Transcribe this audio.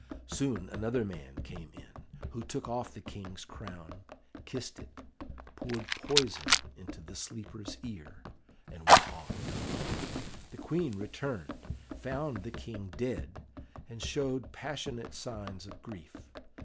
Soon another man came in, who took off the King's crown, kissed it, poured poison into the sleeper's ear, and went off. The Queen returned, found the King dead, and showed passionate signs of grief.